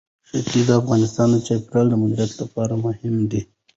ښتې د افغانستان د چاپیریال د مدیریت لپاره مهم دي.